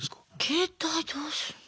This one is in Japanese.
携帯どうすんの？